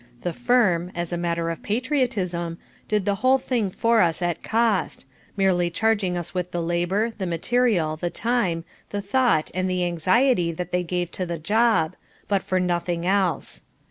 The firm (as a matter of patriotism) did the whole thing for us at cost, merely charging us with the labour, the material, the time, the thought and the anxiety that they gave to the job, but for nothing else.